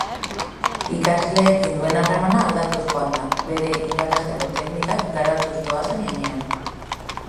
Ikasleekin duen harremana aldatuz joango da, bere irakasteko teknikak garatuz doazen heinean.